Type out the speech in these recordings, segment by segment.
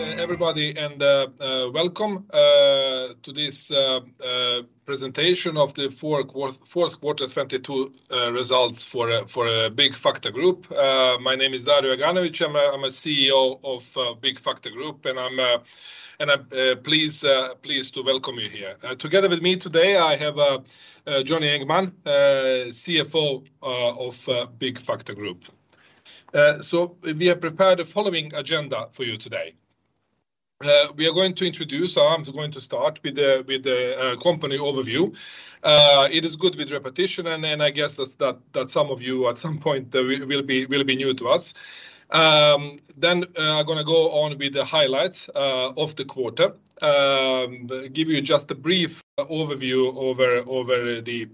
Everybody welcome to this presentation of the fourth quarter 2022 results for Byggfakta Group. My name is Dario Aganovic. I'm a CEO of Byggfakta Group, and I'm pleased to welcome you here. Together with me today I have Johnny Engman, CFO of Byggfakta Group. We have prepared the following agenda for you today. I'm going to start with the company overview. It is good with repetition and I guess that some of you at some point will be new to us. Then gonna go on with the highlights of the quarter. Give you just a brief overview over the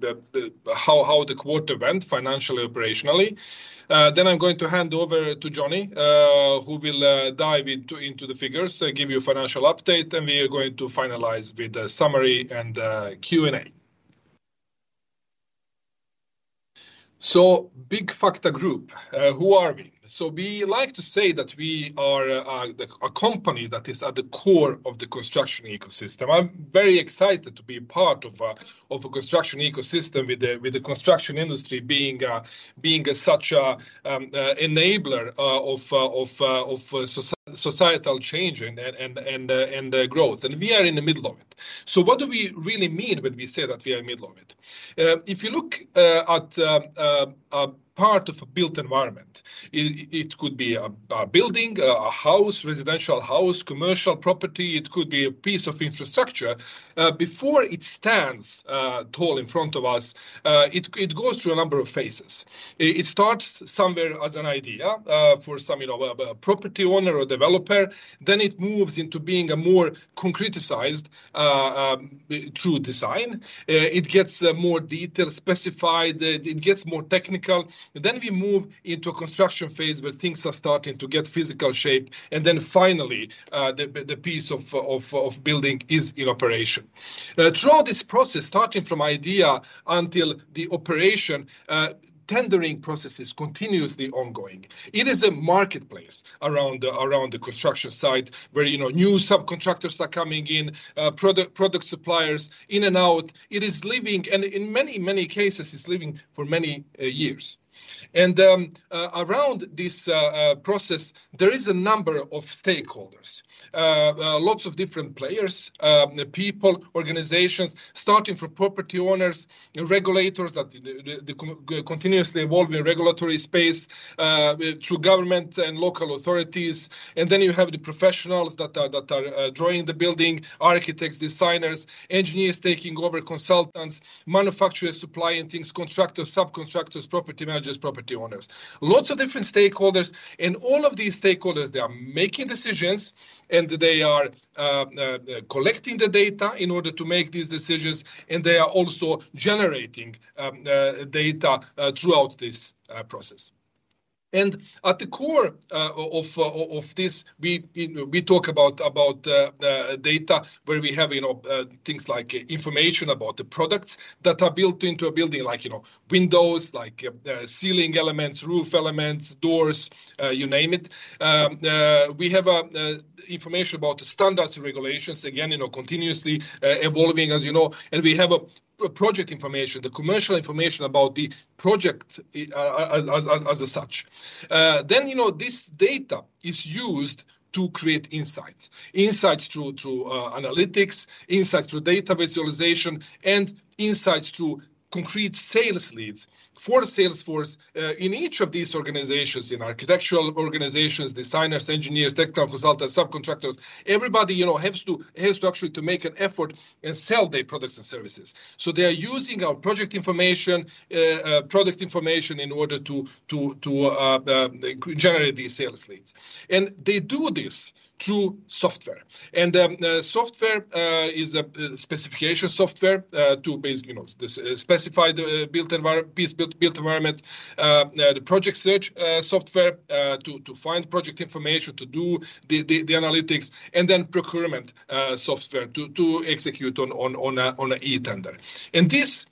how the quarter went financially, operationally. Then I'm going to hand over to Johnny, who will dive into the figures, give you a financial update, and we are going to finalize with a summary and a Q&A. Byggfakta Group, who are we? We like to say that we are a company that is at the core of the construction ecosystem. I'm very excited to be part of a construction ecosystem with the construction industry being such a enabler of societal change and growth. We are in the middle of it. What do we really mean when we say that we are in the middle of it? If you look at a part of a built environment, it could be a building, a house, residential house, commercial property. It could be a piece of infrastructure. Before it stands tall in front of us, it goes through a number of phases. It starts somewhere as an idea, for some, you know, a property owner or developer. It moves into being a more concretisized through design. It gets more detail specified. It gets more technical. We move into a construction phase, where things are starting to get physical shape, and then finally, the piece of building is in operation. Throughout this process, starting from idea until the operation, tendering processes continuously ongoing. It is a marketplace around the construction site where, you know, new subcontractors are coming in, product suppliers in and out. It is living, in many cases, it's living for many years. Around this process, there is a number of stakeholders. Lots of different players, people, organizations. Starting from property owners, regulators that the continuously evolving regulatory space, through government and local authorities. You have the professionals that are drawing the building. Architects, designers, engineers taking over, consultants, manufacturers supplying things, constructors, subcontractors, property managers, property owners. Lots of different stakeholders, and all of these stakeholders, they are making decisions, and they are collecting the data in order to make these decisions, and they are also generating data throughout this process. At the core of this, we, you know, we talk about data where we have, you know, things like information about the products that are built into a building like, you know, windows, like ceiling elements, roof elements, doors, you name it. We have information about the standards and regulations again, you know, continuously evolving, as you know. We have project information, the commercial information about the project as such. You know, this data is used to create insights. Insights through analytics, insights through data visualization and insights through concrete sales leads for Salesforce. In each of these organizations, in architectural organizations, designers, engineers, tech consultants, subcontractors, everybody, you know, has to actually make an effort and sell their products and services. They are using our project information, product information in order to generate these sales leads. They do this through software. Software is a specification software to basically, you know, specify the built environment. The project search software to find project information, to do the analytics and then procurement software to execute on a e-tender. This,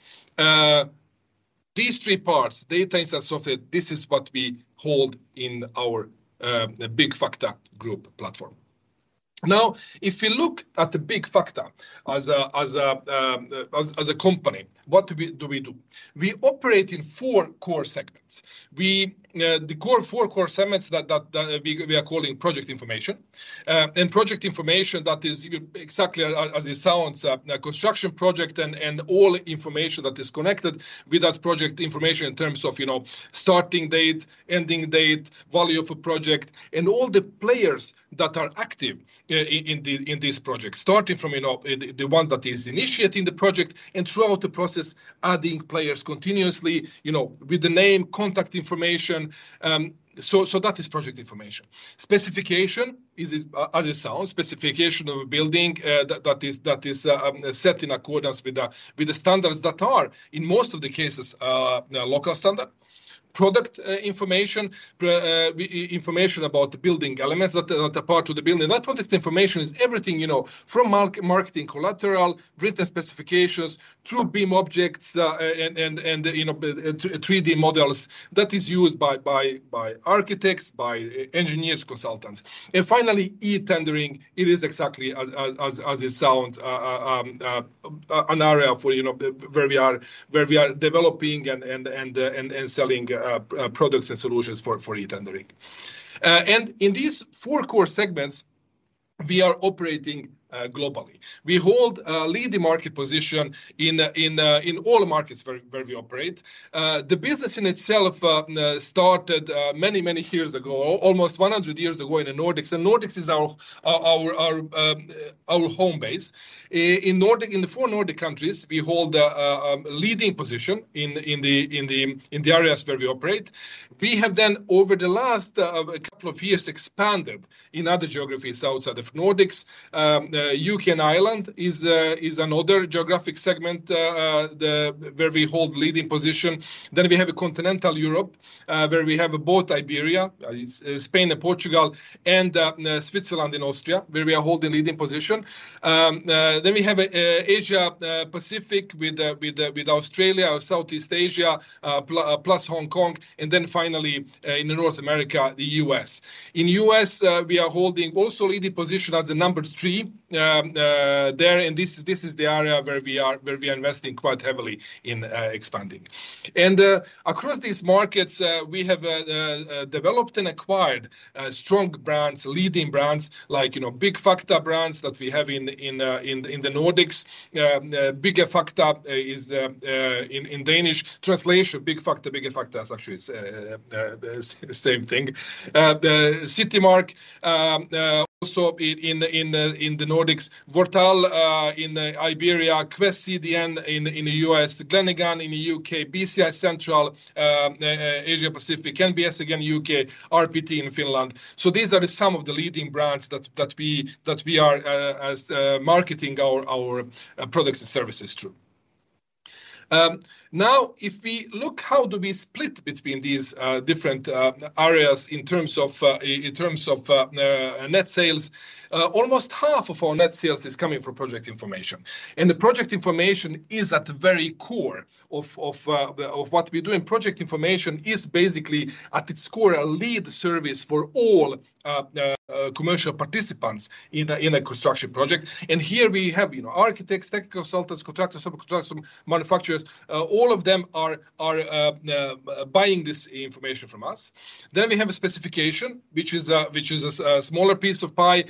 these three parts, data, insights, software, this is what we hold in our Byggfakta Group platform. If you look at Byggfakta as a company, what do we do? We operate in four core segments. We, the four core segments that we are calling project information. Project information that is exactly as it sounds, a construction project and all information that is connected with that project information in terms of, you know, starting date, ending date, value of a project, and all the players that are active in this project. Starting from, you know, the one that is initiating the project and throughout the process, adding players continuously, you know, with the name, contact information. That is project information. Specification is as it sounds, specification of a building, that is set in accordance with the, with the standards that are in most of the cases, local standard. Product information about the building elements that are part of the building. That product information is everything, you know, from marketing collateral, written specifications, through BIM objects, and, you know, 3D models that is used by architects, by engineers, consultants. Finally, e-tendering, it is exactly as it sounds, an area for, you know, where we are developing and selling products and solutions for e-tendering. In these four core segments we are operating globally. We hold a leading market position in all markets where we operate. The business in itself started many, many years ago, almost 100 years ago in the Nordics. Nordics is our home base. In the four Nordic countries, we hold a leading position in the areas where we operate. We have then, over the last couple of years expanded in other geographies outside of Nordics. U.K. and Ireland is another geographic segment where we hold leading position. We have continental Europe, where we have both Iberia, Spain and Portugal, and Switzerland and Austria, where we are holding leading position. Then we have Asia Pacific with Australia or Southeast Asia plus Hong Kong, finally in North America, the U.S. In U.S, we are holding also leading position as the number three. This is the area where we are investing quite heavily in expanding. Across these markets, we have developed and acquired strong brands, leading brands like, you know, Byggfakta brands that we have in the Nordics. Byggfakta is in Danish. Translation Byggfakta is actually the same thing. The CityMark also in the Nordics. Vortal in Iberia. Quest CDN in the U.S. Glenigan in the U.K. BCI Central, Asia Pacific. NBS, again, U.K. RPT in Finland. These are some of the leading brands that we are marketing our products and services through. Now if we look how do we split between these different areas in terms of in terms of net sales, almost half of our net sales is coming from project information. The project information is at the very core of what we do. Project information is basically at its core, a lead service for all commercial participants in a construction project. Here we have, you know, architects, tech consultants, contractors, sub-contractors, manufacturers. All of them are buying this information from us. We have a specification, which is a smaller piece of pie.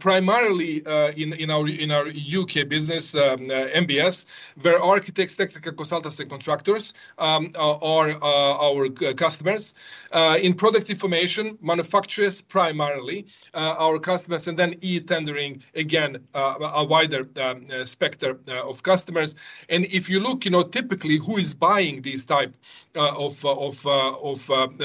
Primarily, you know, in our U.K. business, NBS where architects, technical consultants and contractors are our customers. In product information, manufacturers primarily our customers, eTendering again, a wider specter of customers. If you look, you know, typically who is buying these type of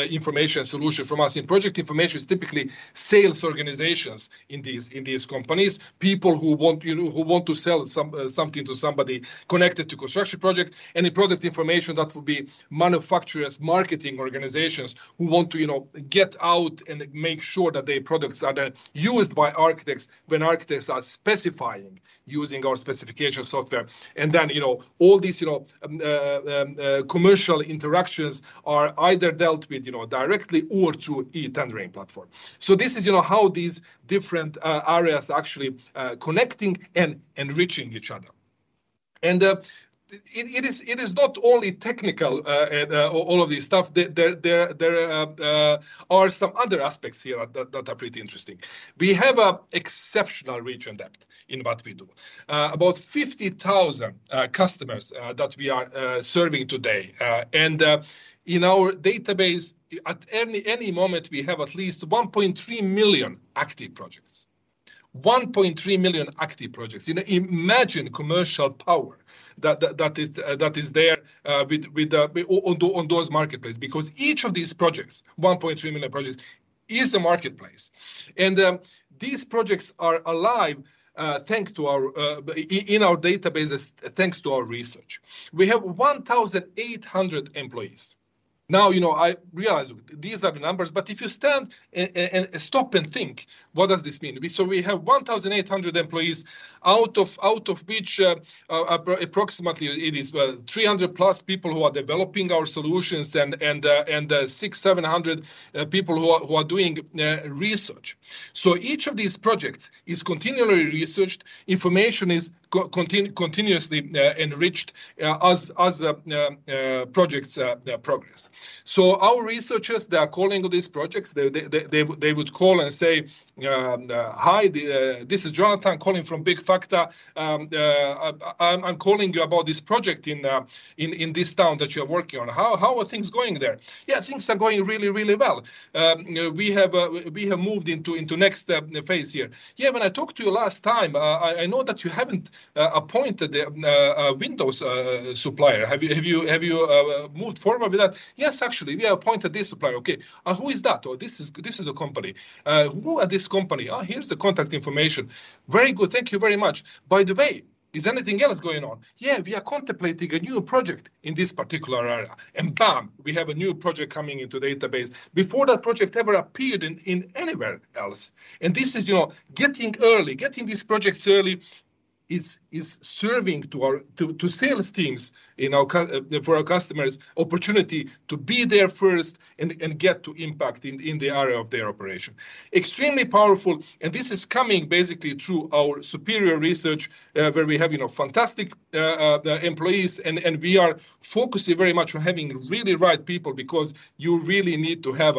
information solution from us. In project information is typically sales organizations in these companies. People who want, you know, who want to sell something to somebody connected to construction project. Any product information that would be manufacturers, marketing organizations who want to, you know, get out and make sure that their products are then used by architects when architects are specifying using our specification software. Then, you know, all these, you know, commercial interactions are either dealt with, you know, directly or through e-tendering platform. This is, you know, how these different areas actually connecting and enriching each other. It is not only technical and all of this stuff. There are some other aspects here that are pretty interesting. We have a exceptional reach and depth in what we do. About 50,000 customers that we are serving today. And in our database at any moment we have at least 1.3 million active projects. 1.3 million active projects. You know, imagine commercial power that is there with on those marketplace, because each of these projects, 1.3 million projects, is a marketplace. These projects are alive thanks to our in our databases, thanks to our research. We have 1,800 employees. Now, you know, I realize these are the numbers, but if you stand and stop and think, what does this mean? We have 1,800 employees out of which approximately it is, well, 300+ people who are developing our solutions and 6,700 people who are doing research. Each of these projects is continually researched. Information is continuously enriched as projects progress. hey would call and say, "Hi, this is Jonathan calling from Byggfakta. I'm calling you about this project in this town that you are working on. How are things going there?" "Yeah, things are going really, really well. We have moved into next phase here." "When I talked to you last time, I know that you haven't appointed a Windows supplier. Have you moved forward with that?" "Yes, actually, we have appointed this supplier." "Okay. Who is that?" "Oh, this is the company." "Who are this company?" "Here's the contact information." "Very good. Thank you very much. By the way, is anything else going on?" "Yeah, we are contemplating a new project in this particular area." Bam, we have a new project coming into database before that project ever appeared in anywhere else. This is, you know, getting early, getting these projects early is serving to our sales teams for our customers opportunity to be there first and get to impact in the area of their operation. Extremely powerful. This is coming basically through our superior research where we have, you know, fantastic employees and we are focusing very much on having really right people because you really need to have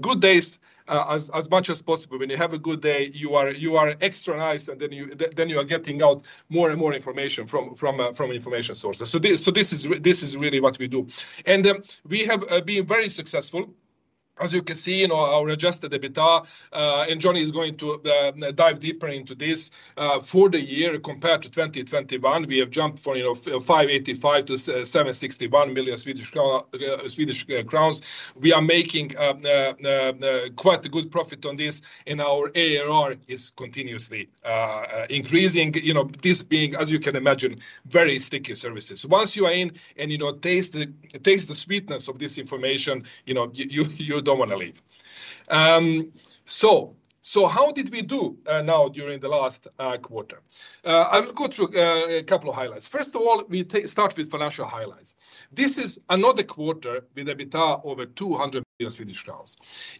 good days as much as possible. When you have a good day, you are extra nice, then you are getting out more and more information from information sources. This is really what we do. We have been very successful as you can see in our Adjusted EBITDA, and Johnny is going to dive deeper into this. For the year compared to 2021, we have jumped from, you know, 585 million-761 million Swedish crowns. We are making quite a good profit on this, and our ARR is continuously increasing. You know, this being, as you can imagine, very sticky services. Once you are in and, you know, taste the sweetness of this information, you know, you don't wanna leave. How did we do now during the last quarter? I will go through a couple of highlights. First of all, we start with financial highlights. This is another quarter with EBITDA over 200 million SEK.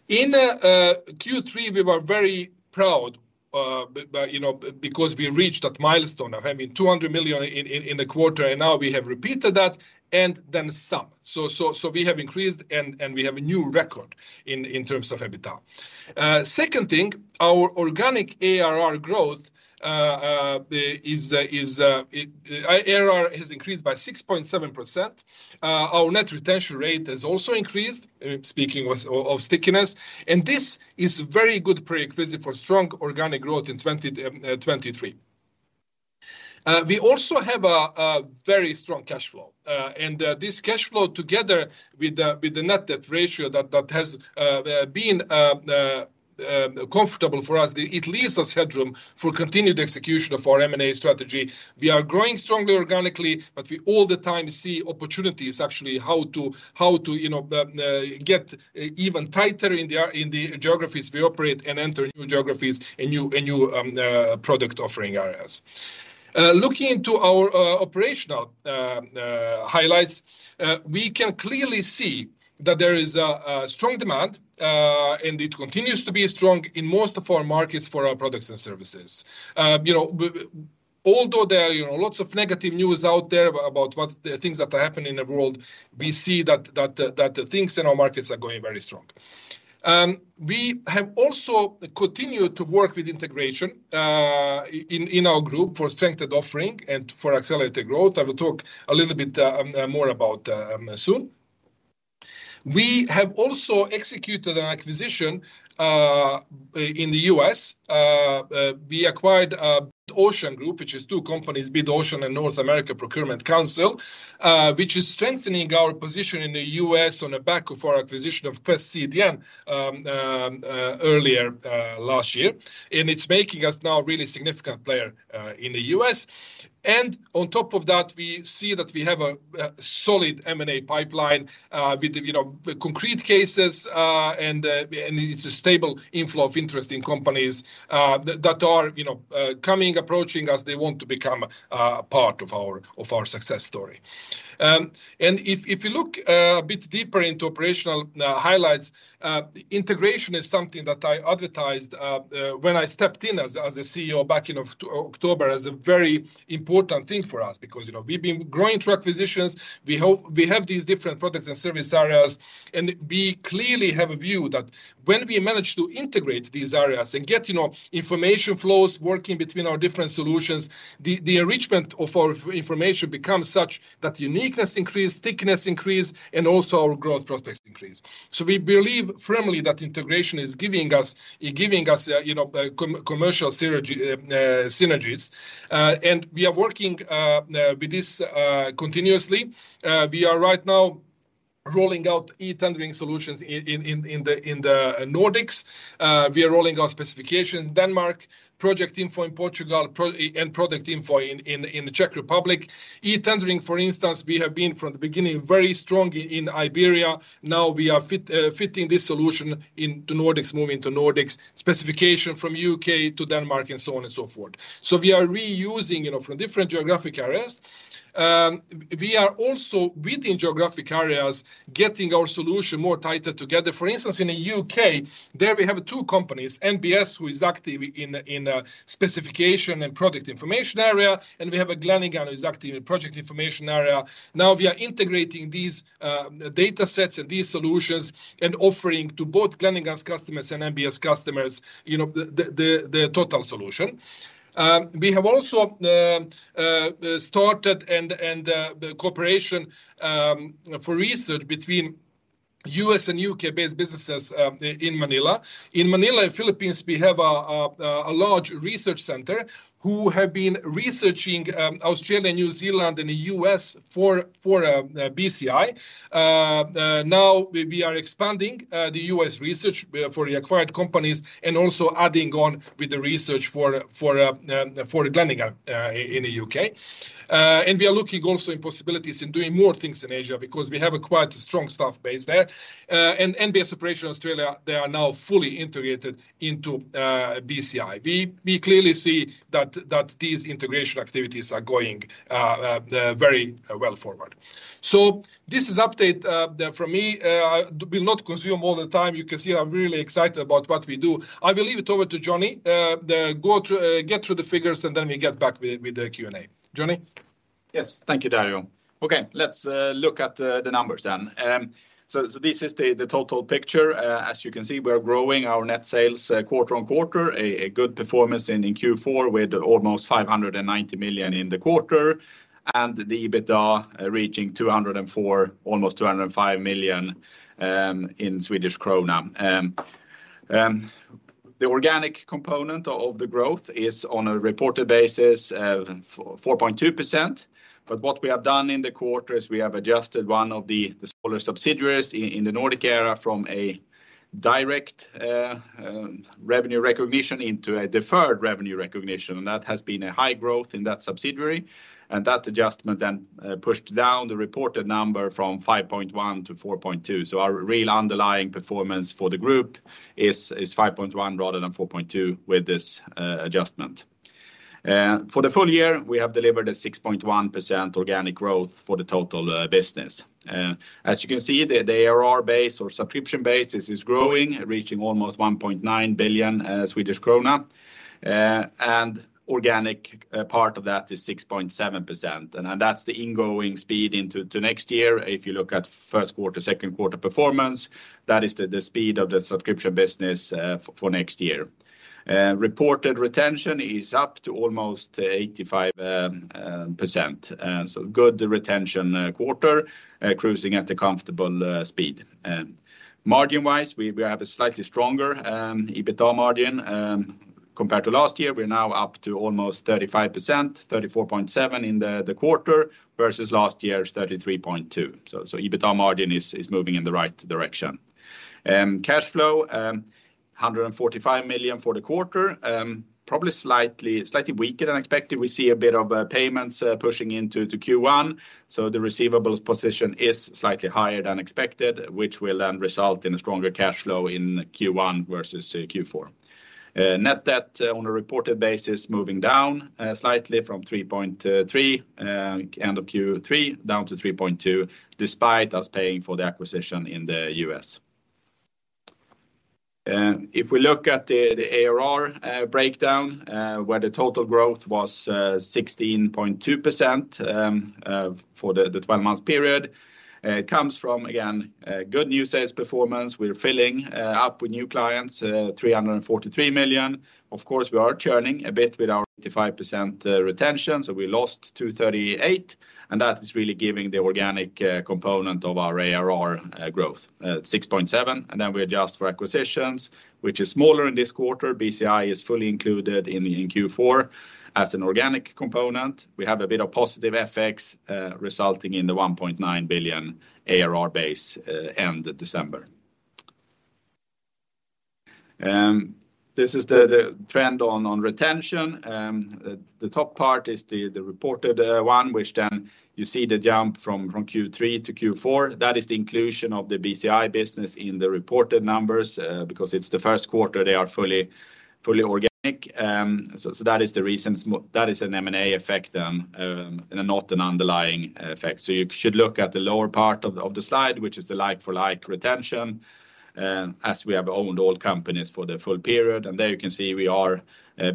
In Q3, we were very proud by, you know, because we reached that milestone of, I mean, 200 million in a quarter. Now we have repeated that and then some. We have increased, and we have a new record in terms of EBITDA. Second thing, our organic ARR growth. ARR has increased by 6.7%. Our net retention rate has also increased, speaking of stickiness. This is very good prerequisite for strong organic growth in 2023. We also have a very strong cash flow. This cash flow together with the net debt ratio that has been comfortable for us, it leaves us headroom for continued execution of our M&A strategy. We are growing strongly organically, but we all the time see opportunities actually how to, you know, get even tighter in the geographies we operate and enter new geographies and new and new product offering areas. Looking into our operational highlights, we can clearly see that there is a strong demand and it continues to be strong in most of our markets for our products and services. You know, although there are, you know, lots of negative news out there about what the things that are happening in the world, we see that the things in our markets are going very strong. We have also continued to work with integration in our group for strengthened offering and for accelerated growth. I will talk a little bit more about soon. We have also executed an acquisition in the U.S. We acquired Bid Ocean Group, which is two companies, Bid Ocean and North America Procurement Council, which is strengthening our position in the U.S. on the back of our acquisition of Quest CDN earlier last year. It's making us now a really significant player in the U.S. On top of that, we see that we have a solid M&A pipeline, with, you know, concrete cases, it's a stable inflow of interest in companies that are, you know, coming, approaching us. They want to become part of our success story. If, if you look a bit deeper into operational highlights, integration is something that I advertised when I stepped in as CEO a back in October as a very important thing for us. Because, you know, we've been growing through acquisitions. We have these different products and service areas, and we clearly have a view that when we manage to integrate these areas and get, you know, information flows working between our different solutions, the enrichment of our information becomes such that uniqueness increase, stickiness increase, and also our growth prospects increase. We believe firmly that integration is giving us, you know, commercial synergy synergies. We are working with this continuously. We are right now rolling out e-tendering solutions in the Nordics. We are rolling out specification in Denmark, project info in Portugal, and product info in the Czech Republic. E-tendering, for instance, we have been from the beginning very strong in Iberia. Now we are fitting this solution into Nordics, moving to Nordics. Specification from U.K. to Denmark and so on and so forth. We are reusing, you know, from different geographic areas. We are also, within geographic areas, getting our solution more tighter together. For instance, in the U.K, there we have two companies, NBS, who is active in specification and product information area, and we have Glenigan, who is active in project information area. Now we are integrating these data sets and these solutions and offering to both Glenigan's customers and NBS customers, you know, the total solution. We have also started the cooperation for research between U.S. and U.K.-based businesses in Manila. In Manila, in Philippines, we have a large research center who have been researching Australia and New Zealand and the U.S. for BCI. Now we are expanding the U.S. research for the acquired companies and also adding on with the research for Glenigan in the U.K. We are looking also in possibilities in doing more things in Asia because we have a quite strong staff base there. NBS Operations Australia, they are now fully integrated into BCI. We clearly see that these integration activities are going very well forward. This is update from me. I will not consume all the time. You can see I'm really excited about what we do. I will leave it over to Johnny, to go through, get through the figures, and then we get back with the Q&A. Johnny? Yes. Thank you, Dario. Let's look at the numbers then. This is the total picture. As you can see, we are growing our net sales quarter on quarter. A good performance in Q4 with almost 590 million in the quarter, and the EBITDA reaching 204 million, almost 205 million in Swedish krona. The organic component of the growth is on a reported basis of 4.2%. What we have done in the quarter is we have adjusted one of the smaller subsidiaries in the Nordic area from a direct revenue recognition into a deferred revenue recognition. That has been a high growth in that subsidiary, that adjustment then pushed down the reported number from 5.1 to 4.2. Our real underlying performance for the group is 5.1 rather than 4.2 with this adjustment. For the full year, we have delivered a 6.1% organic growth for the total business. As you can see, the ARR base or subscription base is growing, reaching almost 1.9 billion Swedish krona. Organic part of that is 6.7%. That's the ingoing speed into next year. If you look at first quarter, second quarter performance, that is the speed of the subscription business for next year. Reported retention is up to almost 85%. Good retention, quarter, cruising at a comfortable speed. Margin-wise, we have a slightly stronger EBITDA margin compared to last year. We're now up to almost 35%, 34.7% in the quarter, versus last year's 33.2%. EBITDA margin is moving in the right direction. Cash flow, 145 million for the quarter, probably slightly weaker than expected. We see a bit of payments pushing into Q1, so the receivables position is slightly higher than expected, which will then result in a stronger cash flow in Q1 versus Q4. Net debt on a reported basis moving down slightly from 3.3, end of Q3, down to 3.2, despite us paying for the acquisition in the U.S. If we look at the ARR breakdown, where the total growth was 16.2%, for the 12-month period, it comes from, again, good new sales performance. We're filling up with new clients, 343 million. Of course, we are churning a bit with our 85% retention, so we lost 238, and that is really giving the organic component of our ARR growth 6.7%. We adjust for acquisitions, which is smaller in this quarter. BCI is fully included in Q4 as an organic component. We have a bit of positive FX, resulting in the 1.9 billion ARR base end of December. This is the trend on retention. The top part is the reported one, which then you see the jump from Q3 to Q4. That is the inclusion of the BCI business in the reported numbers, because it's the first quarter they are fully organic. That is the reason. That is an M&A effect, and not an underlying effect. You should look at the lower part of the slide, which is the like-for-like retention, as we have owned all companies for the full period. There you can see we are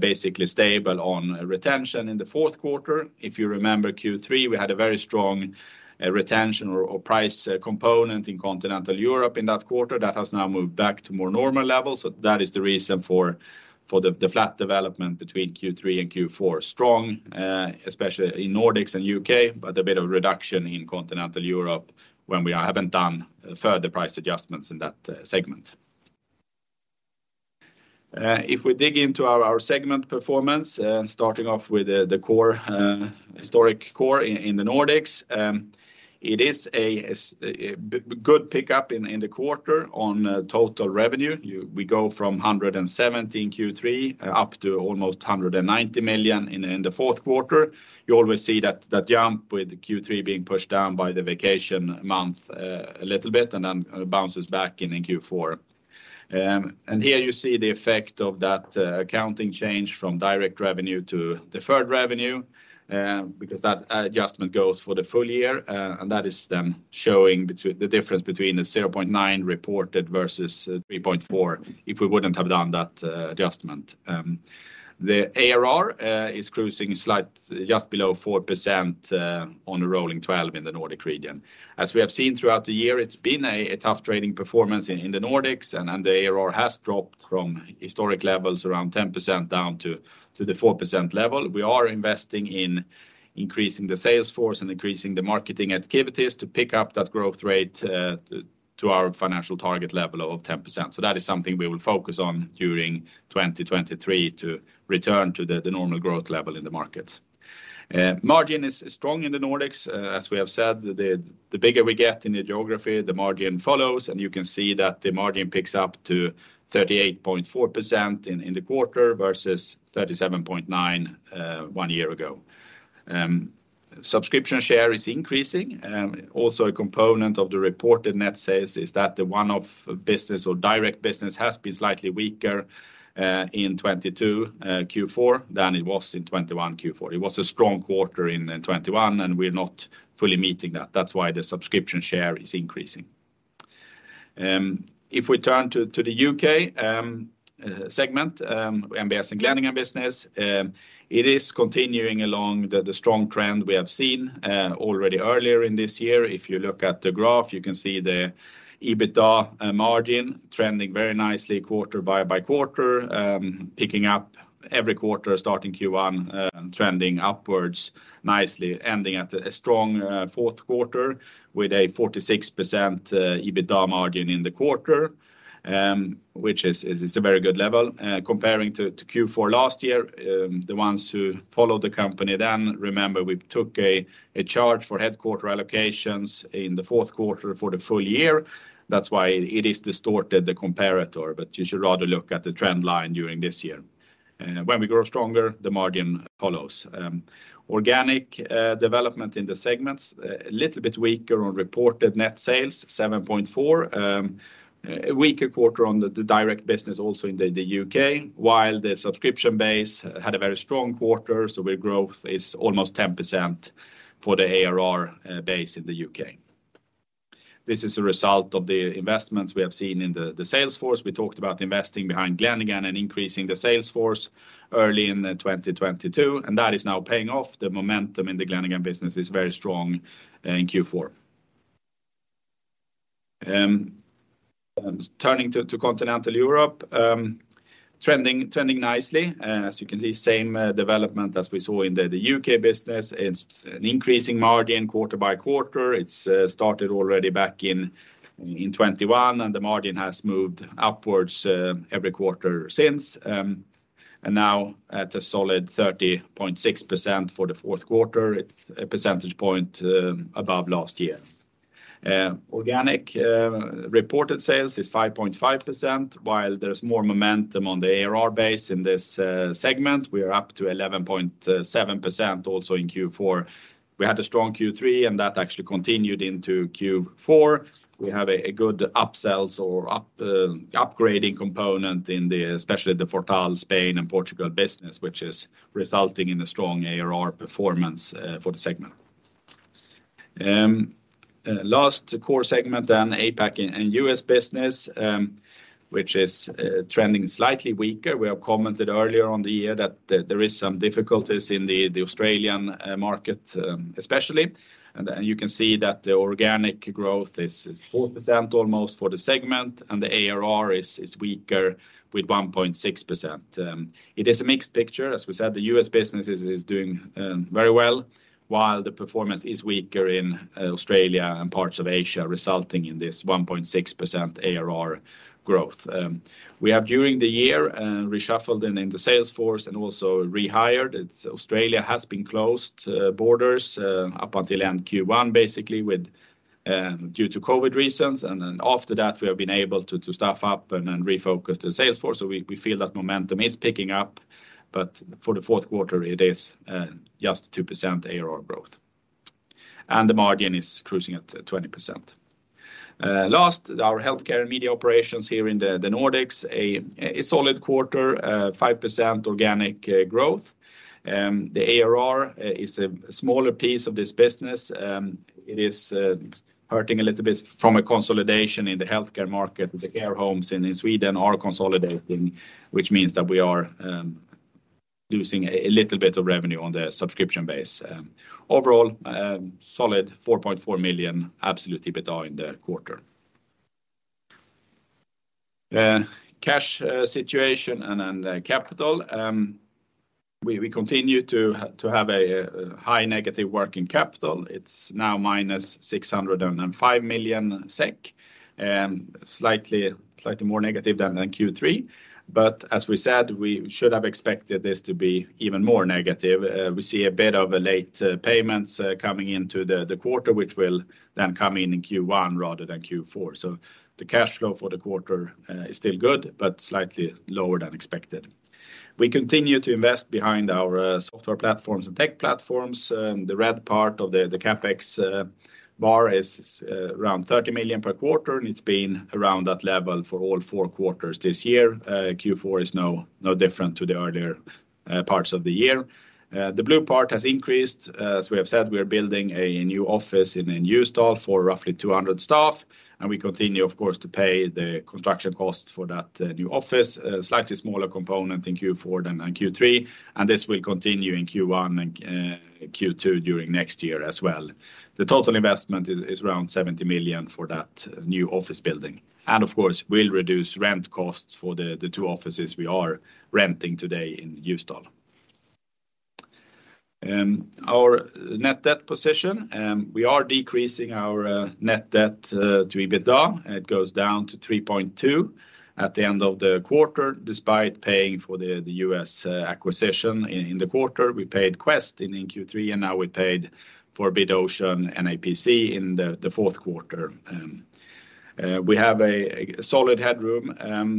basically stable on retention in the fourth quarter. If you remember Q3, we had a very strong retention or price component in Continental Europe in that quarter. That has now moved back to more normal levels. That is the reon for the flat development between Q3 and Q4. Strong, especially in Nordics and U.K. A bit of a reduction in Continental Europe when we haven't done further price adjustments in that segment. If we dig into our segment performance, starting .ff with the core historic core in the Nordics, it is a good pickup in the quarter on total revenue. We go from 170 in Q3 up to almost 190 million in the fourth quarter. You always see that jump with Q3 being pushed down by the vacation month a little bit and then bounces back in Q4. Here you see the effect of that accounting change from direct revenue to deferred revenue, because that adjustment goes for the full year. That is then showing the difference between the 0.9 reported versus 3.4 if we wouldn't have done that adjustment. The ARR is cruising just below 4% on a rolling 12 in the Nordic region. As we have seen throughout the year, it's been a tough trading performance in the Nordics and the ARR has dropped from historic levels around 10% down to the 4% level. We are investing in increasing the sales force and increasing the marketing activities to pick up that growth rate to our financial target level of 10%. That is something we will focus on during 2023 to return to the normal growth level in the markets. Margin is strong in the Nordics. As we have said, the bigger we get in the geography, the margin follows, and you can see that the margin picks up to 38.4% in the quarter versus 37.9 one year ago. Subscription share is increasing. Also a component of the reported net sales is that th`e one-off business or direct business has been slightly weaker in 2022 Q4 than it was in 2021 Q4. It was a strong quarter in 2021, and we're not fully meeting that. That's why the subscription share is increasing. If we turn to the U.K. segment, MBS and Glenigan business, it is continuing along the strong trend we have seen already earlier in this year. If you look at the graph, you can see the EBITDA margin trending very nicely quarter by quarter, picking up every quarter, starting Q1, trending upwards nicely, ending at a strong fourth quarter with a 46% EBITDA margin in the quarter, which is a very good level. Comparing to Q4 last year, the ones who followed the company then remember we took a charge for headquarter allocations in the fourth quarter for the full year. That's why it is distorted the comparator, but you should rather look at the trend line during this year. When we grow stronger, the margin follows. Organic development in the segments, a little bit weaker on reported net sales, 7.4%. A weaker quarter on the direct business also in the U.K, while the subscription base had a very strong quarter. Where growth is almost 10% for the ARR base in the U..K. This is a result of the investments we have seen in the sales force. We talked about investing behind Glenigan and increasing the sales force early in 2022, and that is now paying off. The momentum in the Glenigan business is very strong in Q4. Turning to Continental Europe, trending nicely. As you can see, same development as we saw in the UK business. It's an increasing margin quarter by quarter. It's started already back in 2021, and the margin has moved upwards every quarter since, and now at a solid 30.6% for the fourth quarter. It's a percentage point above last year. Organic reported sales is 5.5%, while there's more momentum on the ARR base in this segment. We are up to 11.7% also in Q4. We had a strong Q3, and that actually continued into Q4. We have a good upsells or upgrading component in the, especially the Vortal Spain and Portugal business, which is resulting in a strong ARR performance for the segment. Last core segment then, APAC and U.S.. Business, which is trending slightly weaker. We have commented earlier on the year that there is some difficulties in the Australian market especially. You can see that the organic growth is 4% almost for the segment, and the ARR is weaker with 1.6%. It is a mixed picture. As we said, the U.S. Business is doing very well, while the performance is weaker in Australia and parts of Asia, resulting in this 1.6% ARR growth. We have during the year reshuffled in the sales force and also rehired. Australia has been closed borders up until end of Q1, basically, due to COVID reasons. After that, we have been able to staff up and then refocus the sales force. We feel that momentum is picking up. For the fourth quarter, it is just 2% ARR growth. The margin is cruising at 20%. Last, our healthcare and media operations here in the Nordics, a solid quarter, 5% organic growth. The ARR is a smaller piece of this business. It is hurting a little bit from a consolidation in the healthcare market. The care homes in Sweden are consolidating, which means that we are losing a little bit of revenue on the subscription base. Overall, solid 4.4 million absolute EBITDA in the quarter. Cash situation and capital. We continue to have a high negative working capital. It's now -605 million SEK, slightly more negative than Q3. As we said, we should have expected this to be even more negative. We see a bit of a late payments coming into the quarter, which will then come in in Q1 rather than Q4. The cash flow for the quarter is still good, but slightly lower than expected. We continue to invest behind our software platforms and tech platforms. The red part of the CapEx bar is around 30 million per quarter. It's been around that level for all four quarters this year. Q4 is no different to the other parts of the year. The blue part has increased. As we have said, we are building a new office in Ljusdal for roughly 200 staff, and we continue, of course, to pay the construction costs for that new office. Slightly smaller component in Q4 than in Q3, and this will continue in Q1 and Q2 during next year as well. The total investment is around 70 million for that new office building. Of course, we'll reduce rent costs for the two offices we are renting today in Ljusdal. Our net debt position, we are decreasing our net debt to EBITDA. It goes down to 3.2 at the end of the quarter, despite paying for the U.S. acquisition in the quarter. We paid Quest in Q3, and now we paid for Bid Ocean and NAPC in the fourth quarter. We have a solid headroom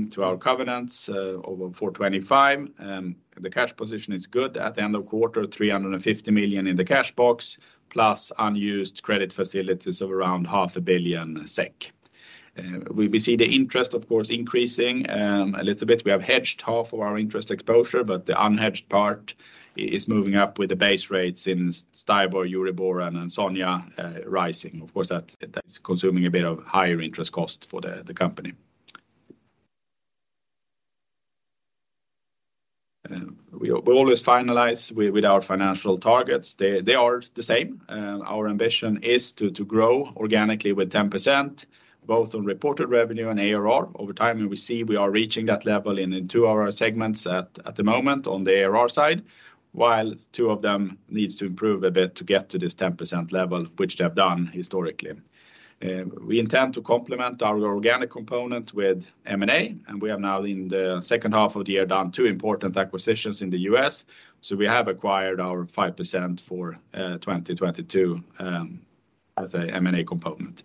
to our covenants over 4.25. The cash position is good. At the end of quarter, 350 million in the cash box, plus unused credit facilities of around half a billion SEK. We see the interest, of course, increasing a little bit. We have hedged half of our interest exposure, but the unhedged part is moving up with the base rates in STIBOR, EURIBOR, and SONIA rising. Of course, that's consuming a bit of higher interest cost for the company. We always finalize with our financial targets. They are the same. Our ambition is to grow organically with 10% both on reported revenue and ARR over time. We see we are reaching that level in two of our segments at the moment on the ARR side. While two of them needs to improve a bit to get to this 10% level, which they have done historically. We intend to complement our organic component with M&A, and we have now in the second half of the year done two important acquisitions in the U.S. We have acquired our 5% for 2022 as a M&A component.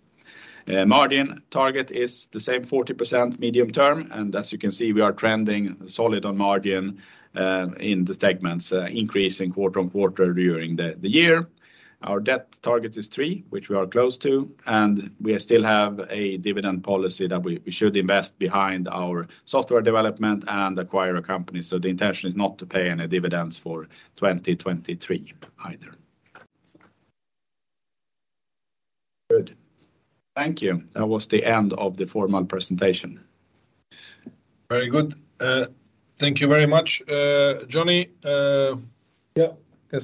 Margin target is the same 40% medium term, and as you can see, we are trending solid on margin in the segments increasing quarter on quarter during the year. Our debt target is three, which we are close to. We still have a dividend policy that we should invest behind our software development and acquire a company. The intention is not to pay any dividends for 2023 either. Good. Thank you. That was the end of the formal presentation. Very good. Thank you very much, Johnny. Yeah.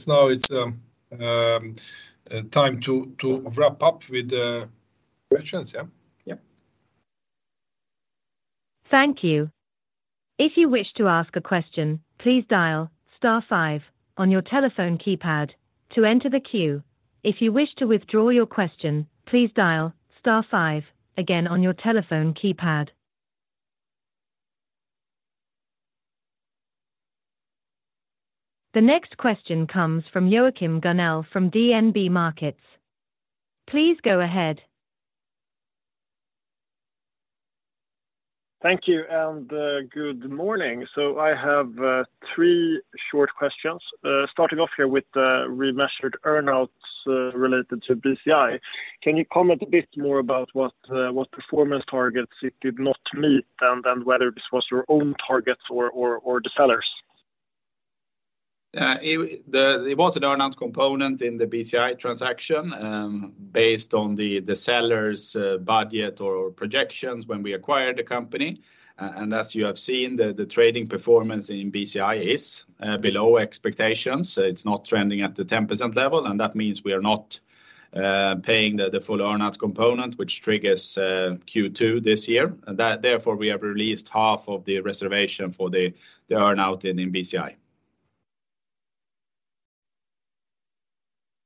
Now it's time to wrap up with the questions, yeah? Yeah. Thank you. If you wish to ask a question, please dial star five on your telephone keypad to enter the queue. If you wish to withdraw your question, please dial star five again on your telephone keypad. The next question comes from Joachim Gunell from DNB Markets. Please go ahead. Thank you, and good morning. I have three short questions. Starting off here with the remeasured earnouts, related to BCI. Can you comment a bit more about what performance targets it did not meet and then whether this was your own targets or the sellers? There was an earnout component in the BCI transaction, based on the seller's budget or projections when we acquired the company. As you have seen, the trading performance in BCI is below expectations. It's not trending at the 10% level, and that means we are not paying the full earnout component, which triggers Q2 this year. Therefore, we have released half of the reservation for the earnout in BCI.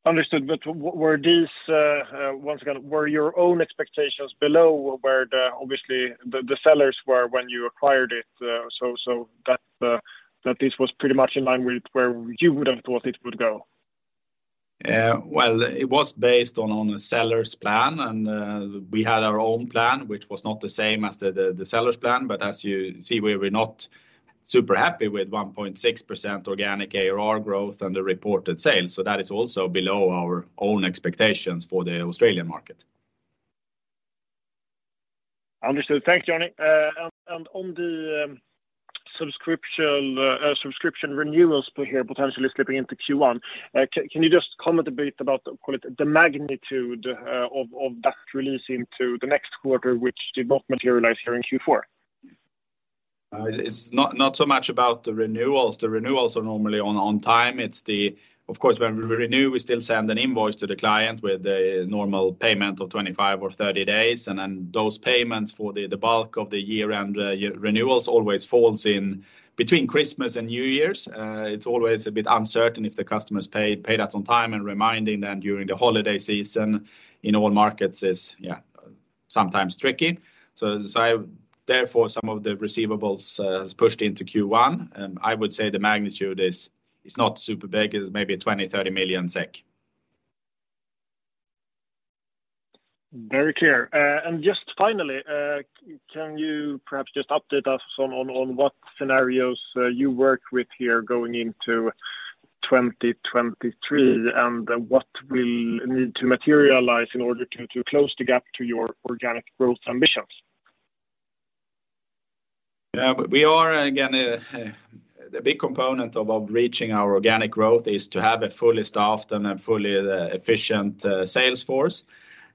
Understood. Were these, once again, were your own expectations below where the, obviously the sellers were when you acquired it, so that this was pretty much in line with where you would have thought it would go? Well, it was based on the seller's plan and, we had our own plan, which was not the same as the seller's plan. As you see, we were not super happy with 1.6% organic ARR growth and the reported sales, that is also below our own expectations for the Australian market. Understood. Thanks, Johnny. On the subscription renewals for here potentially slipping into Q1, can you just comment a bit about the, call it, the magnitude of that release into the next quarter, which did not materialize here in Q4? It's not so much about the renewals. The renewals are normally on time. Of course, when we renew, we still send an invoice to the client with the normal payment of 25 or 30 days. Those payments for the bulk of the year-end renewals always falls in between Christmas and New Year's. It's always a bit uncertain if the customers paid that on time and reminding them during the holiday season in all markets is, yeah, sometimes tricky. Therefore, some of the receivables has pushed into Q1. I would say the magnitude is not super big. It's maybe 20 million-30 million SEK. Very clear. Just finally, can you perhaps just update us on what scenarios you work with here going into 2023 and what will need to materialize in order to close the gap to your organic growth ambitions? Yeah. We are again, The big component of reaching our organic growth is to have a fully staffed and a fully efficient sales force.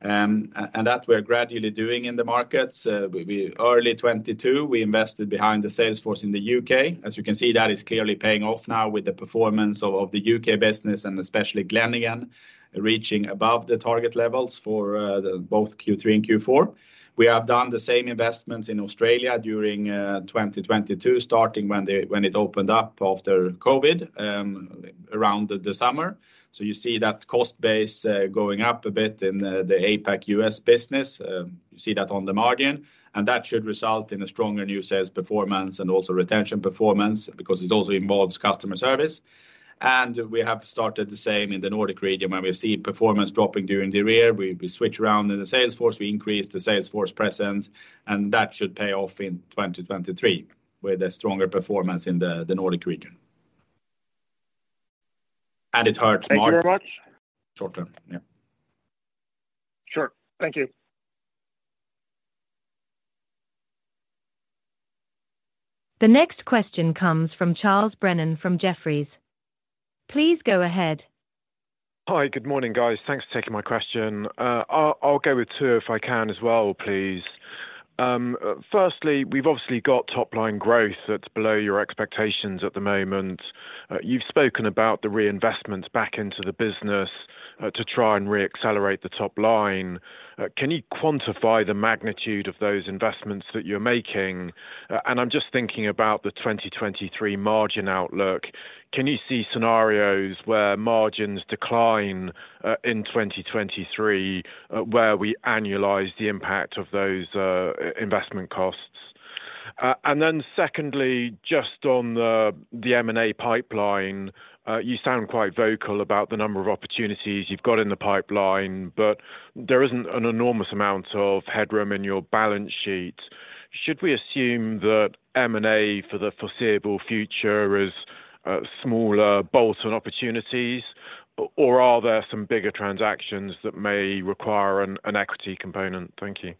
That we're gradually doing in the markets. Early 2022, we invested behind the sales force in the U.K. As you can see, that is clearly paying off now with the performance of the U.K. business and especially Glenigan reaching above the target levels for the both Q3 and Q4. We have done the same investments in Australia during 2022, starting when it opened up after COVID, around the summer. You see that cost base going up a bit in the APAC U.S. business. You see that on the margin, and that should result in a stronger new sales performance and also retention performance because it also involves customer service. We have started the same in the Nordic region, and we see performance dropping during the year. We switch around in the sales force. We increase the sales force presence, and that should pay off in 2023 with a stronger performance in the Nordic region. It hurts. Thank you very much. short term. Yeah. Sure. Thank you. The next question comes from Charles Brennan from Jefferies. Please go ahead. Hi. Good morning, guys. Thanks for taking my question. I'll go with two if I can as well, please. Firstly, we've obviously got top line growth that's below your expectations at the moment. You've spoken about the reinvestments back into the business to try and re-accelerate the top line. Can you quantify the magnitude of those investments that you're making? I'm just thinking about the 2023 margin outlook. Can you see scenarios where margins decline in 2023, where we annualize the impact of those investment costs? Secondly, just on the M&A pipeline, you sound quite vocal about the number of opportunities you've got in the pipeline, but there isn't an enormous amount of headroom in your balance sheet. Should we assume that M&A for the foreseeable future is, smaller bolts on opportunities, or are there some bigger transactions that may require an equity component? Thank you.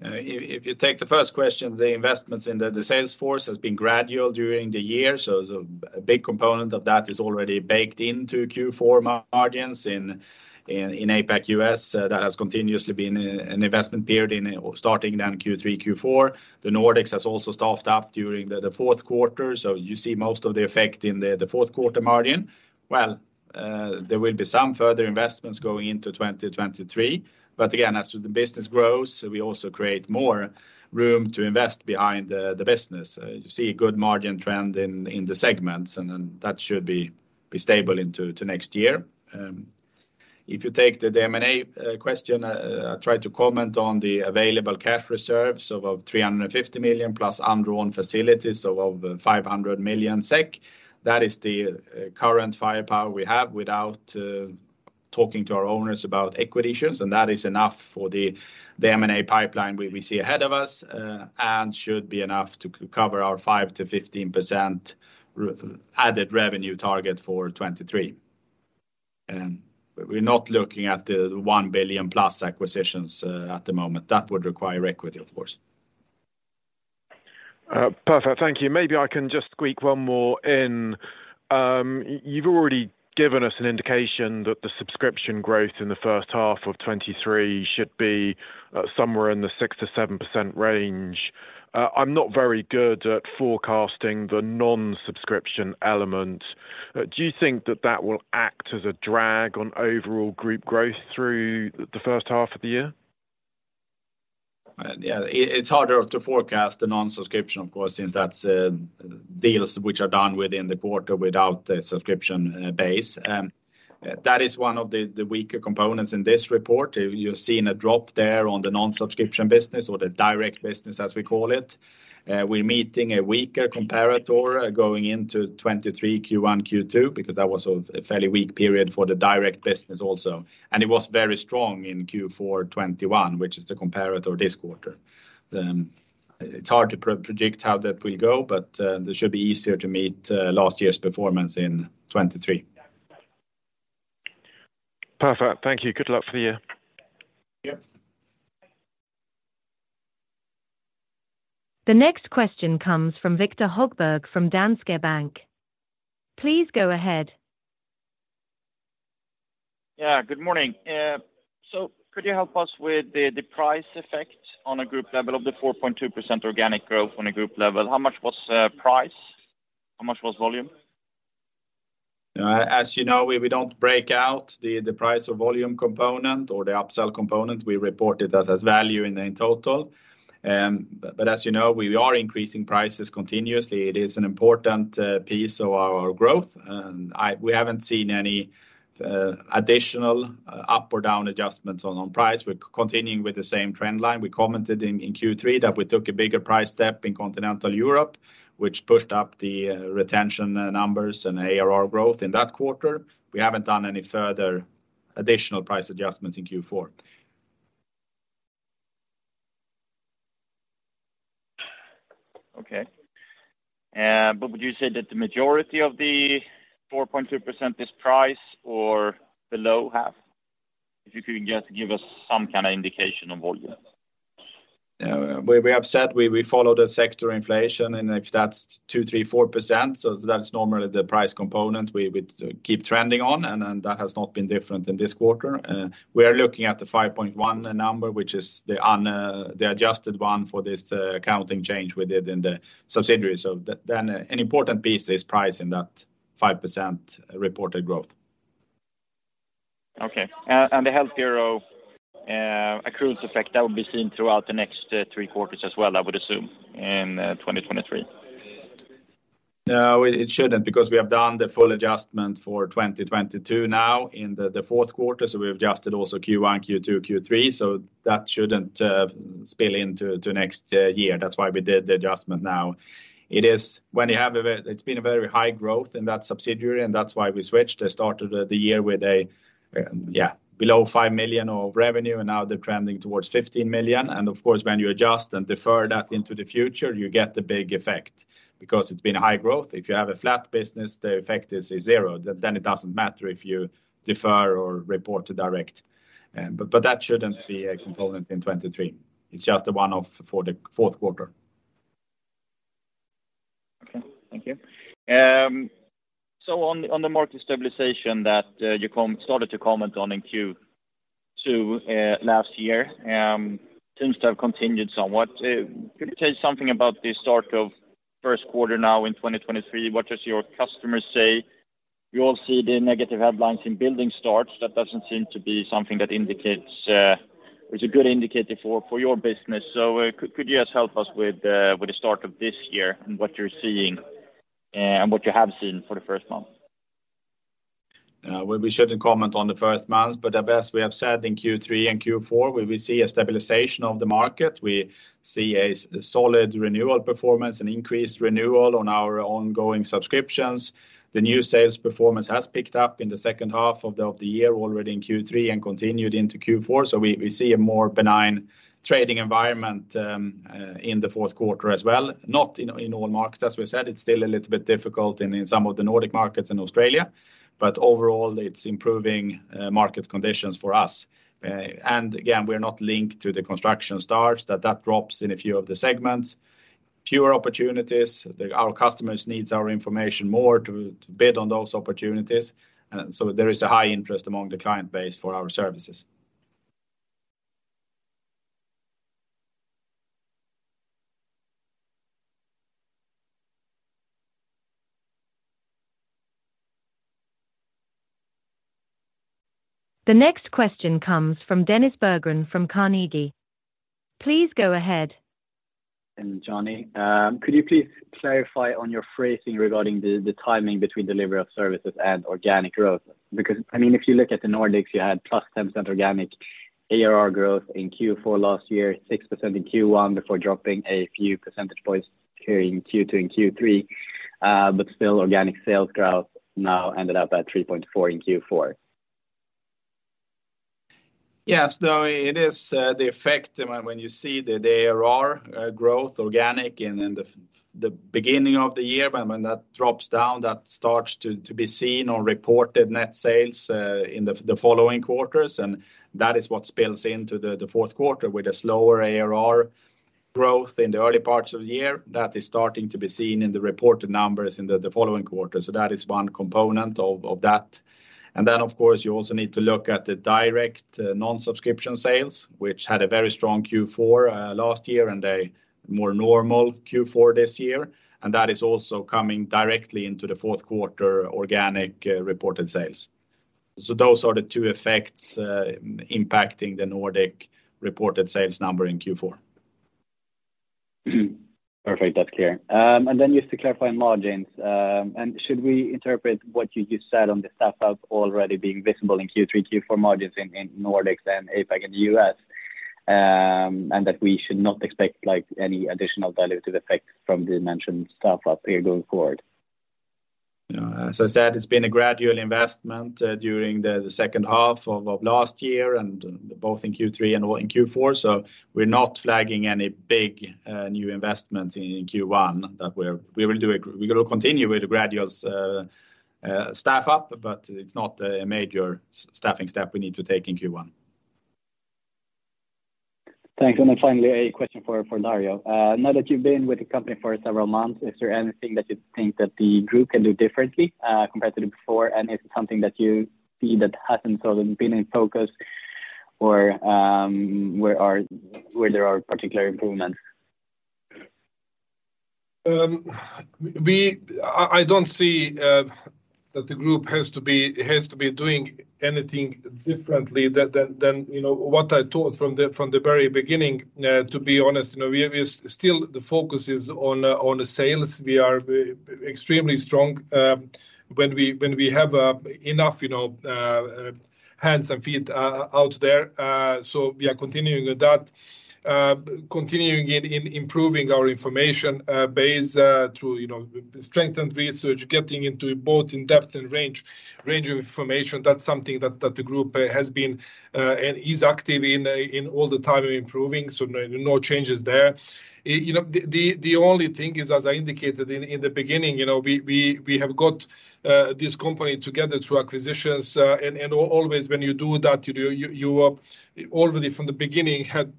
If you take the first question, the investments in the sales force has been gradual during the year, so it's a big component of that is already baked into Q4 margins in APAC U.S. That has continuously been an investment period in starting down Q3, Q4. The Nordics has also staffed up during the fourth quarter. You see most of the effect in the fourth quarter margin. Well, there will be some further investments going into 2023, but again, as the business grows, we also create more room to invest behind the business. You see a good margin trend in the segments and then that should be stable into next year. If you take the M&A question, I try to comment on the available cash reserves of 350 million plus undrawn facilities of 500 million SEK. That is the current firepower we have without talking to our owners about equity issues, that is enough for the M&A pipeline we see ahead of us and should be enough to cover our 5%-15% with added revenue target for 2023. We're not looking at the 1 billion+ acquisitions at the moment. That would require equity, of course. Perfect. Thank you. Maybe I can just squeak one more in. you've already given us an indication that the subscription growth in the first half of 2023 should be somewhere in the 6%-7% range. I'm not very good at forecasting the non-subscription element. Do you think that that will act as a drag on overall group growth through the first half of the year? Yeah. It's harder to forecast the non-subscription, of course, since that's deals which are done within the quarter without a subscription base. That is one of the weaker components in this report. You're seeing a drop there on the non-subscription business or the direct business as we call it. We're meeting a weaker comparator going into 2023 Q1, Q2, because that was of a fairly weak period for the direct business also. It was very strong in Q4 2021, which is the comparator this quarter. It's hard to pro-predict how that will go, but it should be easier to meet last year's performance in 2023. Perfect. Thank you. Good luck for the year. Yeah. The next question comes from Viktor Högberg from Danske Bank. Please go ahead. Yeah, good morning. Could you help us with the price effect on a group level of the 4.2% organic growth on a group level? How much was price? How much was volume? As you know, we don't break out the price or volume component or the upsell component. We report it as value in the total. As you know, we are increasing prices continuously. It is an important piece of our growth. We haven't seen any additional up or down adjustments on price. We're continuing with the same trend line. We commented in Q3 that we took a bigger price step in continental Europe, which pushed up the retention numbers and ARR growth in that quarter. We haven't done any further additional price adjustments in Q4. Okay. Would you say that the majority of the 4.2% is price or the low half? If you can just give us some kind of indication of volume. We have said we follow the sector inflation, and if that's 2%, 3%, 4%, that's normally the price component we would keep trending on. That has not been different in this quarter. We are looking at the 5.1 number, which is the adjusted one for this accounting change we did in the subsidiary. Then an important piece is price in that 5% reported growth. Okay. The Health Hero, accrues effect that will be seen throughout the next, three quarters as well, I would assume in, 2023. No, it shouldn't because we have done the full adjustment for 2022 now in the fourth quarter. We've adjusted also Q1, Q2, Q3. That shouldn't spill into next year. That's why we did the adjustment now. It's been a very high growth in that subsidiary. That's why we switched. They started the year with a below 5 million of revenue, now they're trending towards 15 million. Of course, when you adjust and defer that into the future, you get the big effect because it's been high growth. If you have a flat business, the effect is 0. Then it doesn't matter if you defer or report direct. That shouldn't be a component in 2023. It's just a one-off for the fourth quarter. Okay, thank you. On the market stabilization that you started to comment on in Q2 last year, seems to have continued somewhat. Could you tell us something about the start of first quarter now in 2023? What does your customers say? We all see the negative headlines in building starts. That doesn't seem to be something that indicates. It's a good indicator for your business. Could you just help us with the start of this year and what you're seeing and what you have seen for the first month? Well, we shouldn't comment on the first month, but as best we have said in Q3 and Q4, we will see a stabilization of the market. We see a solid renewal performance, an increased renewal on our ongoing subscriptions. The new sales performance has picked up in the second half of the year already in Q3 and continued into Q4. We see a more benign trading environment in the fourth quarter as well, not in all markets. As we said, it's still a little bit difficult in some of the Nordic markets in Australia, but overall it's improving market conditions for us. Again, we're not linked to the construction starts that drops in a few of the segments. Fewer opportunities. Our customers needs our information more to bid on those opportunities. There is a high interest among the client base for our services. The next question comes from Dennis Berggren from Carnegie. Please go ahead. Johnny, could you please clarify on your phrasing regarding the timing between delivery of services and organic growth? Because I mean, if you look at the Nordics, you had +10% organic ARR growth in Q4 last year, 6% in Q1 before dropping a few percentage points here in Q2 and Q3. Still organic sales growth now ended up at 3.4% in Q4. Yes. No, it is the effect when you see the ARR growth organic in the beginning of the year. When that drops down, that starts to be seen on reported net sales in the following quarters. That is what spills into the fourth quarter with a slower ARR growth in the early parts of the year. That is starting to be seen in the reported numbers in the following quarter. That is one component of that. Then of course, you also need to look at the direct non-subscription sales, which had a very strong Q4 last year and a more normal Q4 this year. That is also coming directly into the fourth quarter organic reported sales. Those are the two effects, impacting the Nordic reported sales number in Q4. Perfect. That's clear. Just to clarify on margins, should we interpret what you just said on the staff up already being visible in Q3, Q4 margins in Nordics and APAC in the U.S., that we should not expect like any additional dilutive effect from the mentioned staff up here going forward? Yeah. As I said, it's been a gradual investment during the second half of last year and both in Q three and in Q four. We're not flagging any big new investments in Q one that we will do it. We're gonna continue with the gradual staff up, but it's not a major staffing step we need to take in Q one. Thanks. Finally, a question for Dario. Now that you've been with the company for several months, is there anything that you think that the group can do differently, compared to before? Is it something that you see that hasn't sort of been in focus or, where there are particular improvements? I don't see that the group has to be doing anything differently than, you know, what I thought from the very beginning, to be honest. You know, we still the focus is on the sales. We are extremely strong when we have enough, you know, hands and feet out there. We are continuing with that, continuing in improving our information base through, you know, strengthened research, getting into both in depth and range of information. That's something that the group has been and is active in all the time improving. No changes there. You know, the only thing is, as I indicated in the beginning, you know, we have got this company together through acquisitions. Always when you do that, you already from the beginning had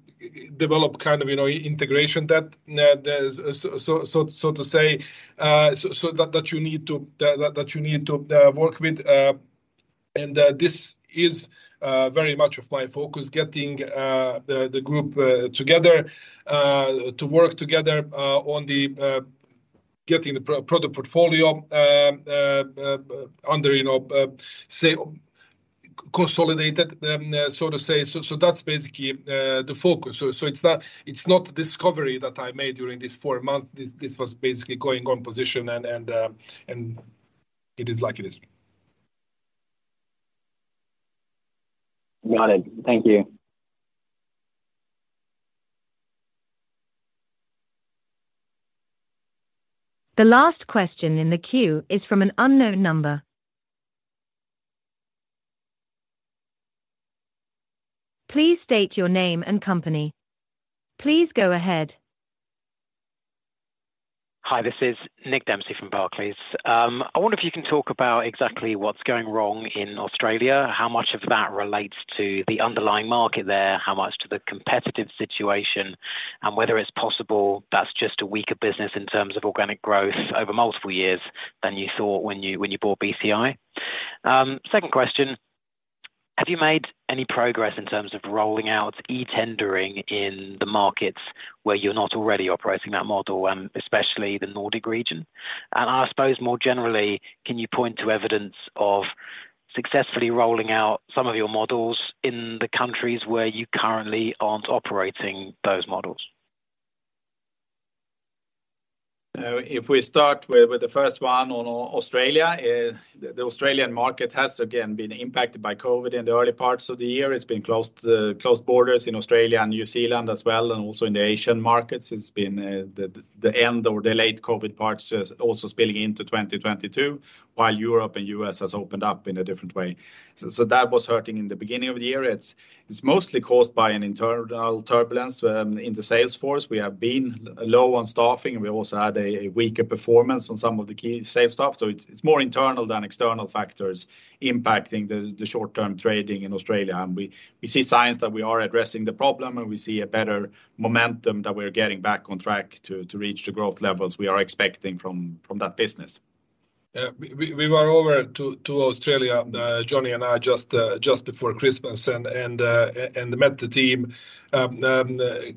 developed kind of, you know, integration that there's so to say, so that you need to, that you need to work with. This is very much of my focus, getting the group together to work together on getting the product portfolio under, you know, say consolidated, so to say. That's basically the focus. It's not, it's not discovery that I made during this four month. This was basically going on position and it is like it is. Got it. Thank you. The last question in the queue is from an unknown number. Please state your name and company. Please go ahead. Hi, this is Nick Dempsey from Barclays. I wonder if you can talk about exactly what's going wrong in Australia, how much of that relates to the underlying market there, how much to the competitive situation, and whether it's possible that's just a weaker business in terms of organic growth over multiple years than you thought when you, when you bought BCI? Second question, have you made any progress in terms of rolling out e-tendering in the markets where you're not already operating that model, especially the Nordic region? I suppose more generally, can you point to evidence of successfully rolling out some of your models in the countries where you currently aren't operating those models? If we start with the first one on Australia, the Australian market has again been impacted by COVID in the early parts of the year. It's been closed borders in Australia and New Zealand as well, and also in the Asian markets. It's been the end or the late COVID parts also spilling into 2022, while Europe and U.S. has opened up in a different way. That was hurting in the beginning of the year. It's mostly caused by an internal turbulence in the sales force. We have been low on staffing, and we also had a weaker performance on some of the key sales staff. It's more internal than external factors impacting the short-term trading in Australia. We see signs that we are addressing the problem, and we see a better momentum that we're getting back on track to reach the growth levels we are expecting from that business. We were over to Australia, Johnny and I, just before Christmas and met the team.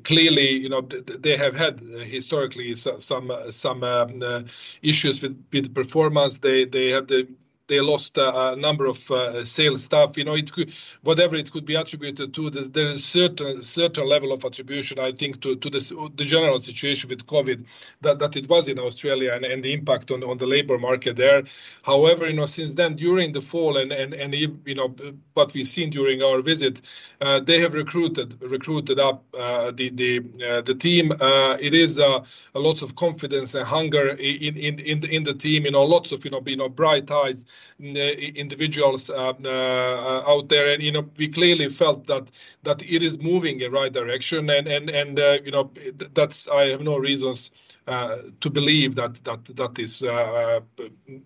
Clearly, you know, they have had historically some issues with performance. They lost a number of sales staff. You know, whatever it could be attributed to, there is certain level of attribution, I think, to the general situation with COVID that it was in Australia and the impact on the labor market there. However, you know, since then, during the fall and, you know, what we've seen during our visit, they have recruited up the team. It is a lot of confidence and hunger in the team. You know, lots of, you know, bright eyes individuals out there. You know, we clearly felt that it is moving in right direction. You know, I have no reasons to believe that is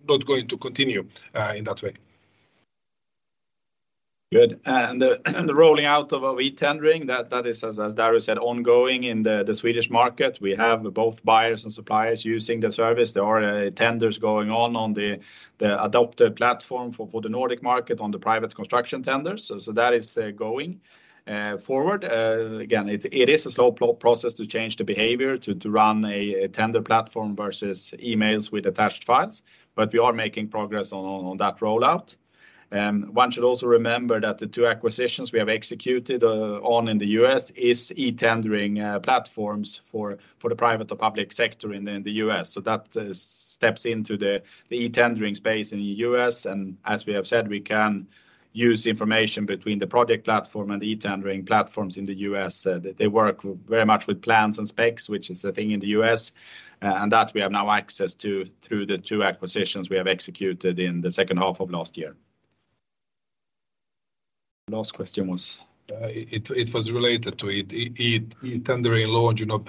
not going to continue in that way. Good. The rolling out of e-tendering, that is, as Dario said, ongoing in the Swedish market. We have both buyers and suppliers using the service. There are tenders going on on the adopted platform for the Nordic market on the private construction tenders. That is going forward. Again, it is a slow process to change the behavior to run a tender platform versus emails with attached files, but we are making progress on that rollout. One should also remember that the two acquisitions we have executed on in the U.S. is e-tendering platforms for the private or public sector in the US. That steps into the e-tendering space in the U.S. As we have said, we can use information between the project platform and the e-tendering platforms in the U.S. They work very much with plans and specs which is a thing in the U.S., and that we have now access to through the two acquisitions we have executed in the second half of last year. Last question was? It was related to e-tendering launch, you know,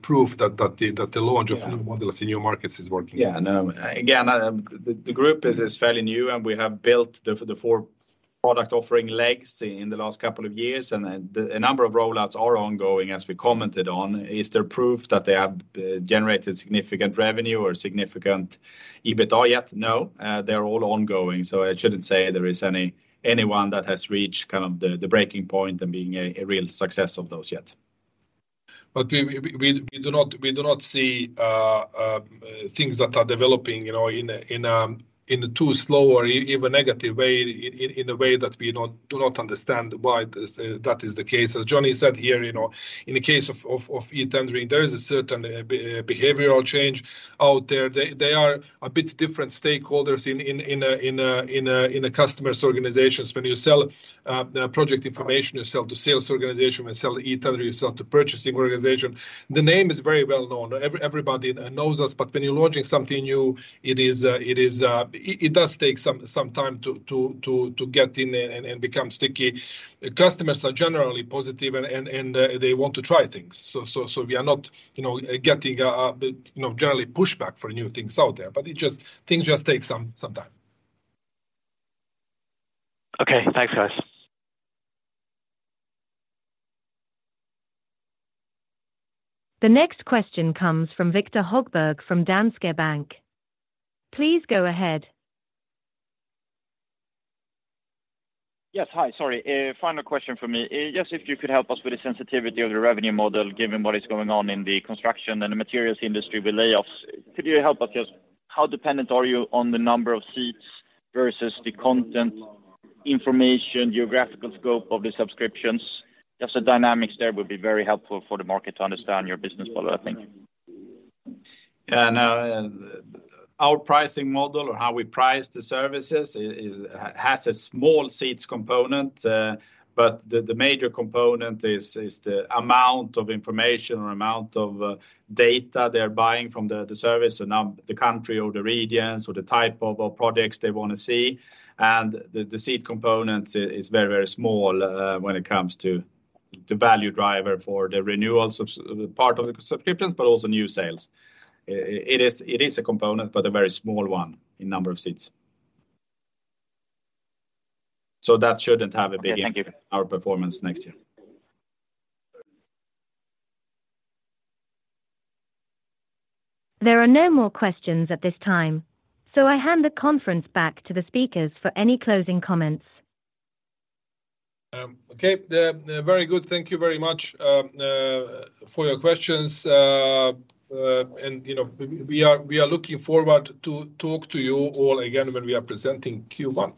proof that the launch- Yeah of new models in new markets is working. Yeah. No. Again, the group is fairly new, we have built the four product offering legs in the last couple of years. The number of rollouts are ongoing, as we commented on. Is there proof that they have generated significant revenue or significant EBITA yet? No. They're all ongoing. I shouldn't say there is anyone that has reached kind of the breaking point and being a real success of those yet. We do not see things that are developing, you know, in a too slow or even negative way in a way that we do not understand why this that is the case. As Johnny said here, you know, in the case of e-tendering, there is a certain behavioral change out there. They are a bit different stakeholders in a customer's organizations. When you sell project information, you sell to sales organization. When you sell e-tender, you sell to purchasing organization. The name is very well known. Everybody knows us. When you're launching something new, it is, it does take some time to get in and become sticky. Customers are generally positive and, they want to try things. We are not, you know, getting a, you know, generally pushback for new things out there, but it just, things just take some time. Okay. Thanks, guys. The next question comes from Viktor Högberg from Danske Bank. Please go ahead. Yes. Hi. Sorry. A final question from me. Yes, if you could help us with the sensitivity of the revenue model given what is going on in the construction and the materials industry with layoffs. Could you help us just how dependent are you on the number of seats versus the content information, geographical scope of the subscriptions? Just the dynamics there would be very helpful for the market to understand your business model, I think. Yeah. No. Our pricing model or how we price the services is, has a small seats component. The major component is the amount of information or amount of data they're buying from the service. The country or the regions or the type of projects they wanna see. The seat component is very, very small when it comes to the value driver for the renewals part of the subscriptions, but also new sales. It is a component, but a very small one in number of seats. That shouldn't have a big impact. Okay. Thank you.... our performance next year. There are no more questions at this time, so I hand the conference back to the speakers for any closing comments. Okay. Very good. Thank you very much, for your questions. You know, we are looking forward to talk to you all again when we are presenting Q1.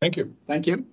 Thank you. Thank you.